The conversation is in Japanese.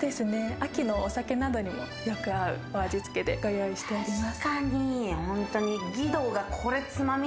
秋のお酒などにもよく合う味つけでご用意しております。